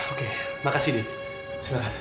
oke makasih din silahkan